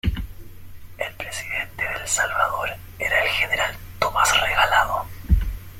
El Presidente de El Salvador era el General Tomás Regalado.